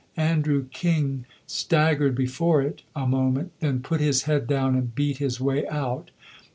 Andrew King staggered before it a moment, then put his head down and beat his way out.